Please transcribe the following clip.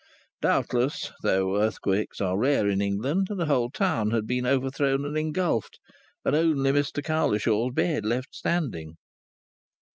Doubtless, though earthquakes are rare in England, the whole town had been overthrown and engulfed, and only Mr Cowlishaw's bed left standing.